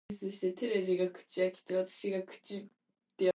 She also worked in children and youth libraries in Hanover.